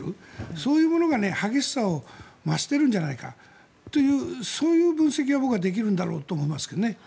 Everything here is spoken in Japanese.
そういうものが激しさを増しているんじゃないかというそういう分析を僕はできるんだろうと思いますけど。